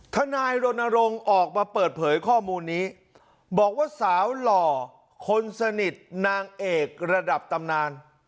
ทนายรณรงค์ออกมาเปิดเผยข้อมูลนี้บอกว่าสาวหล่อคนสนิทนางเอกระดับตำนาน